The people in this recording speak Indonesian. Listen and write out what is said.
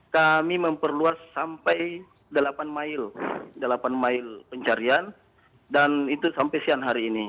kami memperluas sampai delapan mil delapan mile pencarian dan itu sampai siang hari ini